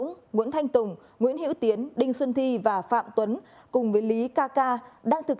nguyễn thanh tùng nguyễn hiễu tiến đinh xuân thi và phạm tuấn cùng với lý ca ca đang thực